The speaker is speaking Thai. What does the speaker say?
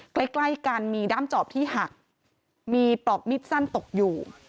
ใกล้ใกล้กันมีด้ามจอบที่หักมีปลอกมิดสั้นตกอยู่